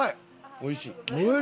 おいしい！